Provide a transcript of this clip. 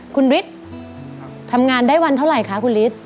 คุณฤทธิ์ทำงานได้วันเท่าไหร่คะคุณฤทธิ์